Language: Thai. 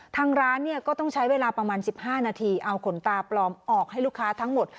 ทางร้านเนี่ยก็ต้องใช้เวลาประมาณ๑๕นาทีเอาขนตาปลอมออกให้ลูกค้าทั้งหมด